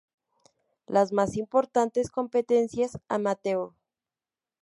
Las más importantes competencias amateur